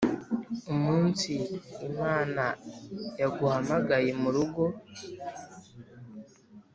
umunsi imana yaguhamagaye murugo.